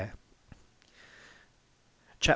CHAP.